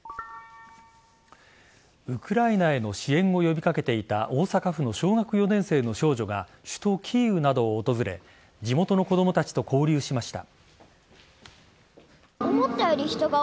ウクライナへの支援を呼び掛けていた大阪府の小学４年生の少女が首都・キーウなどを訪れ地元の子供たちと交流しました。